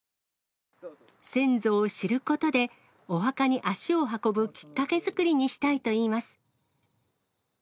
先祖を知ることで、お墓に足を運ぶきっかけ作りにしたいといいます。